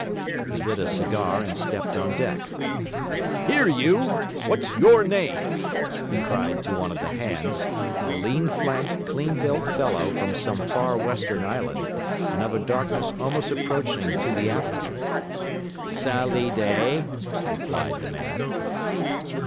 He lit a cigar and stepped on deck. 'Here, you! What's YOUR name?' he cried to one of the hands, a lean flanked, clean built fellow from some far western island, and of a darkness almost approaching to the African. 'Sally Day,' replied the man.